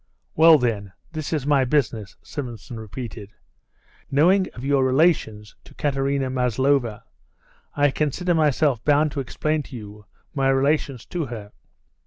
"Well, then, this is my business," Simonson repeated. "Knowing of your relations to Katerina Maslova, I consider myself bound to explain to you my relations to her."